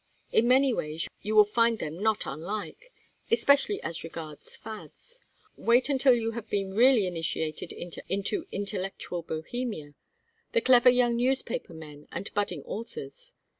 "In many ways you will find them not unlike especially as regards fads. Wait until you have been really initiated into intellectual Bohemia the clever young newspaper men and budding authors.